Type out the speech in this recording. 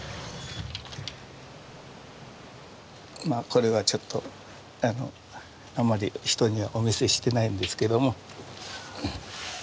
これはちょっとあまり人にはお見せしてないんですけども。